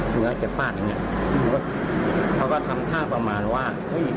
เมื่อเจ็บป้านอย่างนี้เขาก็ทำท่าประมาณว่า